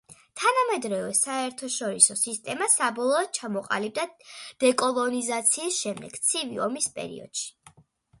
თანამედროვე საერთაშორისო სისტემა საბოლოოდ ჩამოყალიბდა დეკოლონიზაციის შემდეგ, ცივი ომის პერიოდში.